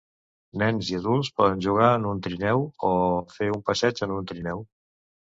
Nens i adults poden jugar en un trineu o fer un passeig en un trineu.